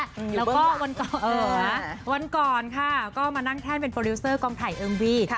แล้วก็วันก่อนวันก่อนค่ะก็มานั่งแท่นเป็นโปรดิวเซอร์กองถ่ายเอิมวี